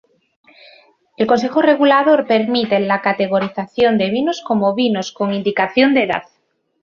El consejo regulador permite la categorización de vinos como "Vinos con indicación de edad".